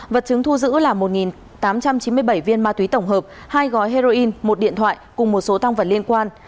vật chứng thu giữ là một tám trăm chín mươi bảy viên ma túy tổng hợp hai gói heroin một điện thoại cùng một số tăng vật liên quan